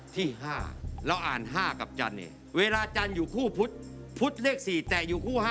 ที่๕เราอ่าน๕กับจันเองเวลาจันอยู่คู่พุธพุธเลข๔แต่อยู่คู่๕